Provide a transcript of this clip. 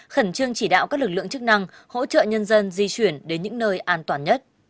khẩn trương chỉ đạo các lực lượng chức năng hỗ trợ nhân dân di chuyển đến những nơi an toàn nhất